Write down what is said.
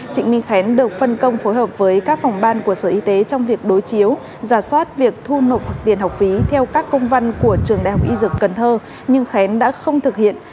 trịnh minh khánh được phân công phối hợp với các phòng ban của sở y tế trong việc đối chiếu giả soát việc thu nộp hoặc tiền học phí theo các công văn của trường đại học y dược cần thơ nhưng khén đã không thực hiện